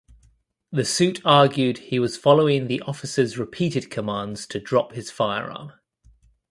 The suit argued he was following the officers’ repeated commands to drop his firearm.